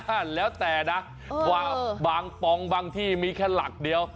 อ่ะแล้วแต่นะว่าบางปองบางที่มีแค่หลักเดียว